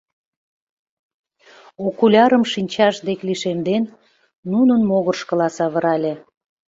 Окулярым шинчаж дек лишемден, нунын могырышкыла савырале.